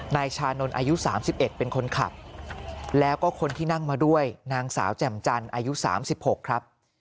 นายชานนท์อายุ๓๑เป็นคนขับแล้วก็คนที่นั่งมาด้วยนางสาวแจ่มจันทร์อายุ๓๖ครับ